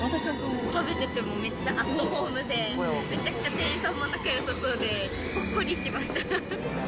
食べててもめっちゃアットホームで、めちゃくちゃ店員さんも仲よさそうで、ほっこりしました。